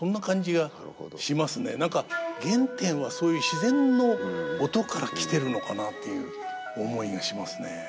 何か原点はそういう自然の音から来てるのかなっていう思いがしますね。